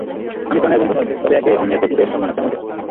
আমি প্রাণের বন্ধু নই, তবে একে অন্যের প্রতি বেশ সম্মান আছে আমাদের।